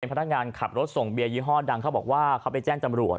พนักงานขับรถส่งเบียร์ยี่ห้อดังเขาบอกว่าเขาไปแจ้งจำรวจ